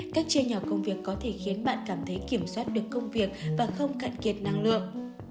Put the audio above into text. cách chia nhỏ công việc có thể khiến bạn cảm thấy kiểm soát được công việc và không cạn kiệt năng lượng